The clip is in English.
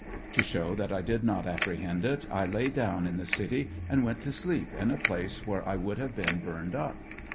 To show that I did not apprehend it, I lay down in the city and went to sleep, in a place where I would have been burned up.